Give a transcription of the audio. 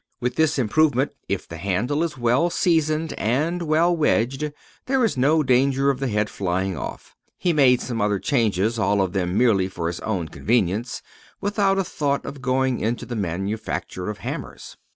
With this improvement, if the handle is well seasoned and well wedged, there is no danger of the head flying off. He made some other changes, all of them merely for his own convenience, without a thought of going into the manufacture of hammers.